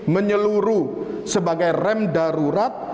menyeluruh sebagai rem darurat